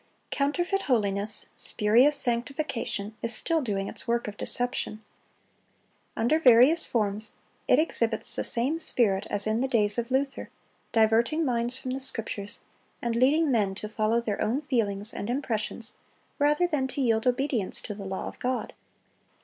Counterfeit holiness, spurious sanctification, is still doing its work of deception. Under various forms it exhibits the same spirit as in the days of Luther, diverting minds from the Scriptures, and leading men to follow their own feelings and impressions rather than to yield obedience to the law of God.